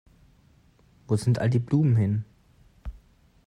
Wo sind all die Blumen hin?